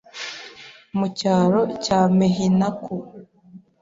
Mu cyaro cya Mehinaku,